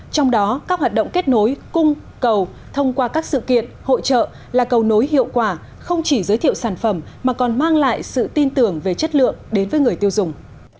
trong đó các hoạt động kết nối cung cầu thông qua các sự kiện hội trợ là cầu nối hiệu quả không chỉ giới thiệu sản phẩm mà còn mang lại sự tin tưởng về chất lượng đến với người tiêu dùng